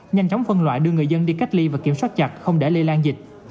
nhanh chóng phân loại đưa người dân đi cách ly và kiểm soát chặt không để lây lan dịch